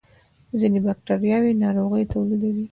ځینې بکتریاوې ناروغۍ تولیدوي